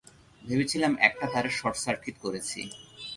ভেবেছিলাম একটা তারে শর্ট সার্কিট করেছি।